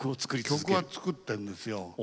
曲は作ってるんですよ。